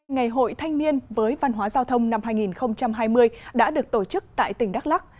ngày hội thanh niên với văn hóa giao thông năm hai nghìn hai mươi đã được tổ chức tại tỉnh đắk lắc